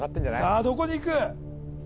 さあどこにいく？